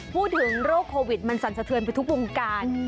พูดถึงโรคโควิดมันสั่นสะเทือนไปทุกวงการ